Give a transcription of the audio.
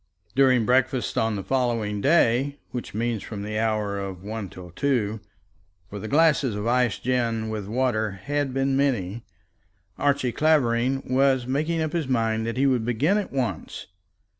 During breakfast on the following day, which means from the hour of one till two, for the glasses of iced gin and water had been many, Archie Clavering was making up his mind that he would begin at once.